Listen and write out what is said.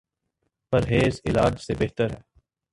پرہیز علاج سے بہتر ہے۔